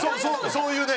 そういうね。